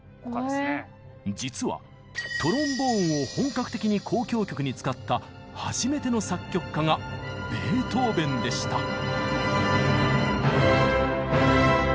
実はトロンボーンを本格的に交響曲に使った初めての作曲家がべートーベンでした。